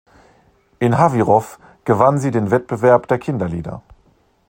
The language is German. In Havířov gewann sie den Wettbewerb der Kinderlieder.